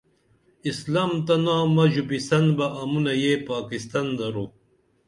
اسلام تہ نامہ ژوپِسن بہ امُنہ یہ پاکستان درو